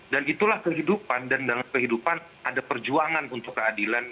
dan itulah kehidupan dan dalam kehidupan ada perjuangan untuk keadilan